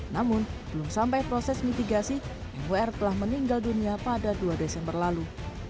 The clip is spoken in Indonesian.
namun belum sampai proses mitigasi mwr telah meninggal dunia pada dua desember lalu